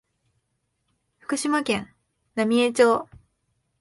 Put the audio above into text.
福島県浪江町